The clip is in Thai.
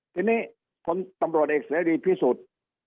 ทีนี้คนตำรวจเอกเสรีพิสุทธิ์